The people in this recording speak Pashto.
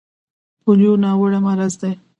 پولیو ناوړه مرض دی.